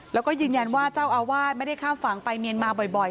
แล้วก็ยืนยันว่าเจ้าอาวาสไม่ได้ข้ามฝั่งไปเมียนมาบ่อย